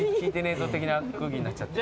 えぞ的な空気になっちゃって。